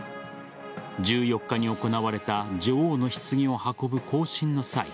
１４日に行われた女王の棺を運ぶ行進の際